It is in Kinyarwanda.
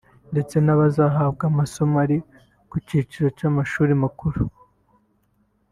ndetse n’abazahabwa amasomo ari ku kiciro cy’amashuri makuru